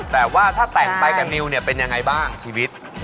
แต่ว่าถ้าแต่งไปกับนิวเนี่ยเป็นยังไงบ้างชีวิต